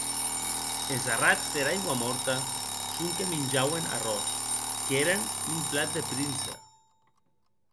Es arrats dera aiguamòrta sonque minjauen arròs; qu’èren un plat de prince.